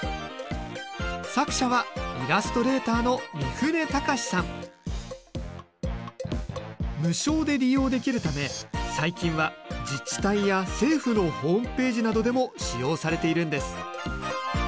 作者は無償で利用できるため最近は自治体や政府のホームページなどでも使用されているんです。